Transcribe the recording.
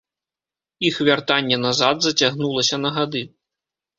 Іх вяртанне назад зацягнулася на гады.